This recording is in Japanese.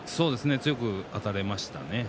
強くあたりましたね。